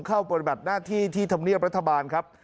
ปฏิบัติหน้าที่ที่ธรรมเนียบรัฐบาลครับ